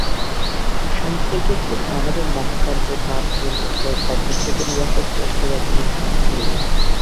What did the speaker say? সাহিত্যের ক্ষেত্রে আমাদের মহাকাব্য, কাব্য ও নাটক অপর যে-কোন ভাষার শ্রেষ্ঠ রচনার সমতুল্য।